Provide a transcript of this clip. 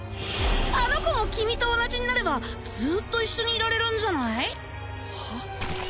あの子も君と同じになればずーっと一緒にいられるんじゃない？